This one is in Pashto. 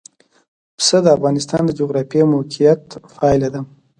پسه د افغانستان د جغرافیایي موقیعت پایله ده.